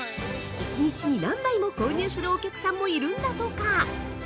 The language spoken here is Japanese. １日に何杯も購入するお客さんもいるんだとか。